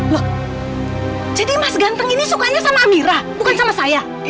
wah jadi mas ganteng ini sukanya sama amira bukan sama saya